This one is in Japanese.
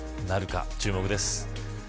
なるか、注目です。